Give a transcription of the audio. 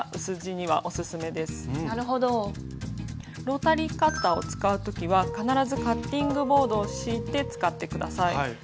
ロータリーカッターを使う時は必ずカッティングボードを敷いて使って下さい。